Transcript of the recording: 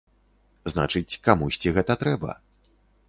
Значыць, камусьці гэта трэба.